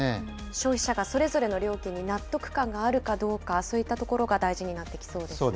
消費者がそれぞれの料金に納得感があるかどうか、そういったところが大事になってきそうですね。